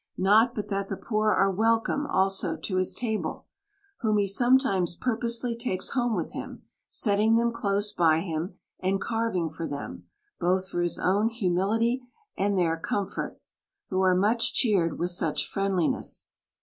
Not but that the poor are welcome also to his table ; whom he some times purposely takes home with him, setting them close by him, and carving for them, both for his own humil ity, and their comfort, who are much cheered with such friendliness.